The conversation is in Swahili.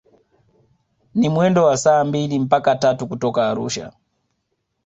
Ni mwendo wa saa mbili mpaka tatu kutoka Arusha